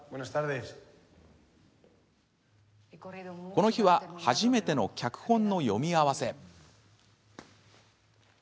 この日は初めての脚本の読み合わせ。